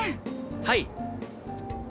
「はい」。